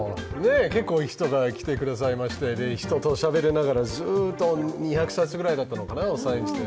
結構、人が来てくださいまして人としゃべりながら、ずっと２００冊ぐらいだったのかな、サインして。